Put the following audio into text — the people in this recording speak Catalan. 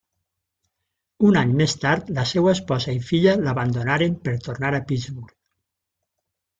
Un any més tard, la seva esposa i filla l'abandonaren per tornar a Pittsburgh.